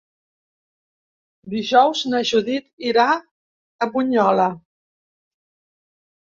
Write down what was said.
Dijous na Judit irà a Bunyola.